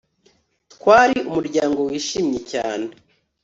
Twari umuryango wishimye cyane